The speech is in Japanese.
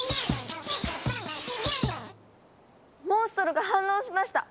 モンストロが反応しました！